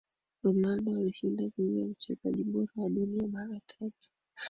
Ronaldo alishinda tuzo ya mchezaji bora wa Dunia mara tatu